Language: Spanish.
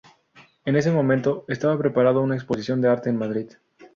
En ese momento, estaba preparando una exposición de arte en Madrid.